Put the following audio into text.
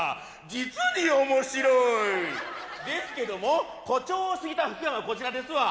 実におもしろいですけども誇張しすぎた福山こちらですわ